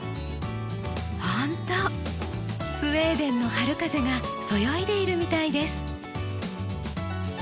ほんとスウェーデンの春風がそよいでいるみたいです。